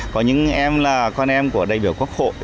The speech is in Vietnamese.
có những em là con em của đại biểu quốc hội